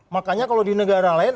makanya kalau di negara lain